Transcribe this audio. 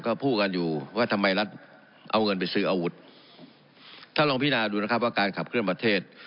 ก็พูดกันอยู่ว่าทำไมรัฐเอาเงินไปซื้ออาวุธถ้าลองพินาดูนะครับว่าการขับเคลื่อนประเทศ